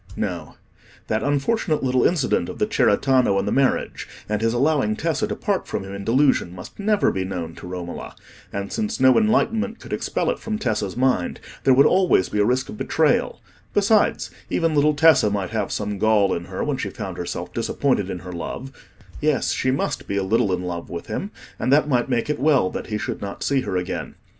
No: that unfortunate little incident of the cerretano and the marriage, and his allowing Tessa to part from him in delusion, must never be known to Romola, and since no enlightenment could expel it from Tessa's mind, there would always be a risk of betrayal; besides even little Tessa might have some gall in her when she found herself disappointed in her love—yes, she must be a little in love with him, and that might make it well that he should not see her again.